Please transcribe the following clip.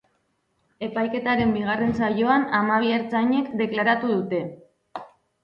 Epaiketaren bigarren saioan hamabi ertzainek deklaratu dute.